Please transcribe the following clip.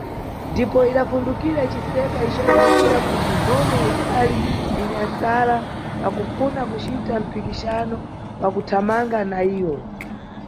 Ndipo idafundukira iciseka, icikumbukira kuti nkhono ikhali inyamsala pa kufuna kucita mpikixano wa kuthamanga na iyo.